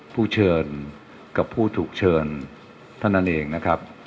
ผู้เชิญกับผู้ถูกเชิญเท่านั้นเองนะครับ